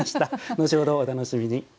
後ほどお楽しみに。